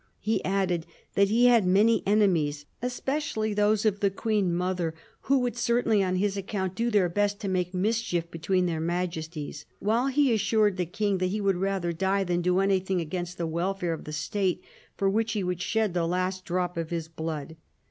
He added that he had many enemies, especially those of the Queen mother, who would certainly, on his account, do their best to make mischief between their Majesties ; while he assured the King that he would rather die than do anything against the welfare of the State, for which he would shed the last drop of his blood.